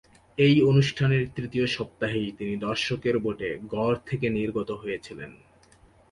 এই অনুষ্ঠানের তৃতীয় সপ্তাহেই তিনি দর্শকের ভোটে ঘর থেকে নির্গত হয়েছিলেন।